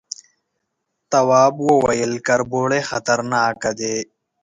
تواب وويل، کربوړي خطرناکه دي.